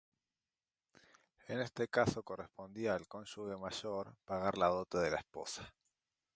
En este caso correspondía al cónyuge mayor pagar la dote de la esposa.